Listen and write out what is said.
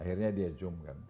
akhirnya dia zoom kan